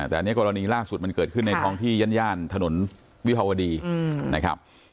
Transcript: แต่อันนี้กรณีล่าสุดมันเกิดขึ้นในท้องที่ย่านถนนวิภาวดีนะครับ